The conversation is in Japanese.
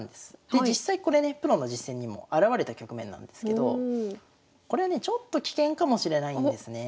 で実際これねプロの実戦にも現れた局面なんですけどこれはねちょっと危険かもしれないんですね。